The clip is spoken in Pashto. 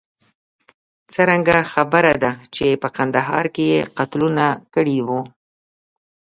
څرګنده خبره ده چې په کندهار کې یې قتلونه کړي وه.